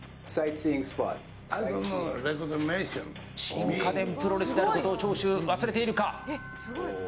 新家電プロレスであることを長州、忘れているか。